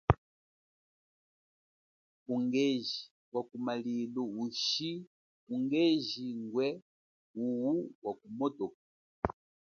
Ungeji wa kumalilu ushi ungeji ngwe wuwu wa motoka.